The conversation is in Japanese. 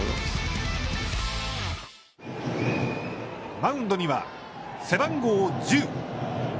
マウンドには背番号１０。